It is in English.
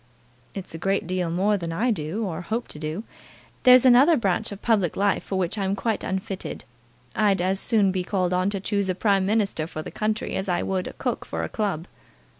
"It's a great deal more than I do, or hope to do. There's another branch of public life for which I'm quite unfitted. I'd as soon be called on to choose a Prime Minister for the country, as I would a cook for a club."